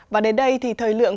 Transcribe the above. và đến đây thì thời lượng